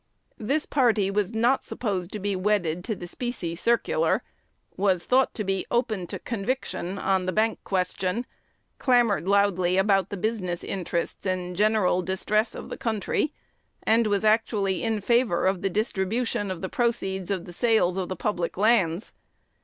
This party was not supposed to be wedded to the "specie circular," was thought to be open to conviction on the bank question, clamored loudly about the business interests and general distress of the country, and was actually in favor of the distribution of the proceeds of the sales of the public lands.